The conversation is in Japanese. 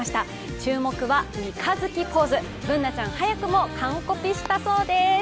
注目は三日月ポーズ、Ｂｏｏｎａちゃん、早くも完コピしたそうです。